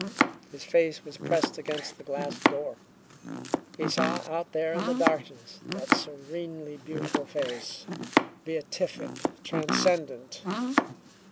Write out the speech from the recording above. His face was pressed against the glass door. He saw, out there in the darkness, that serenely beautiful face, beatific, transcendent.